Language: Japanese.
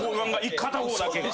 片方だけで。